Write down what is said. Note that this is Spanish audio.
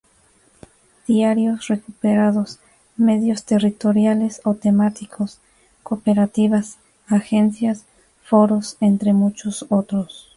Diarios recuperados, medios territoriales o temáticos, cooperativas, agencias, foros, entre muchos otros.